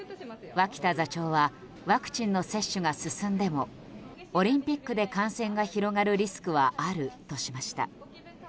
脇田座長はワクチンの接種が進んでもオリンピックで感染が広がるリスクはあるとしました。